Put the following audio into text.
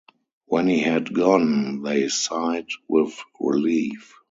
When he had gone, they sighed with relief.